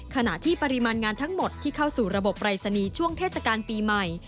ขณะที่ปริมาณงานทั้งหมดที่เข้าสู่ระบบปรายศนีย์ช่วงเทศกาลปีใหม่